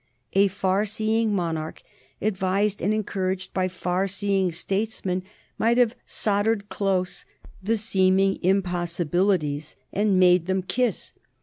A far seeing monarch, advised and encouraged by far seeing statesmen, might have soldered close the seeming impossibilities and made them kiss.